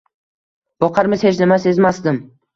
Boqarmiz hech nima sezmasdan